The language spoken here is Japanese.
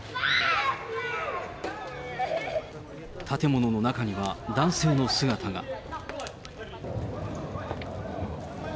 建物の中には、男性の姿が。